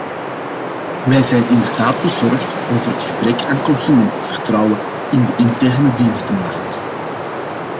Wij zijn inderdaad bezorgd over het gebrek aan consumentenvertrouwen in de interne dienstenmarkt.